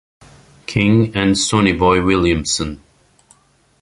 King, and Sonny Boy Williamson.